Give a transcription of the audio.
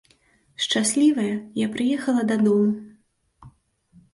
Шчаслівая, я прыехала дадому.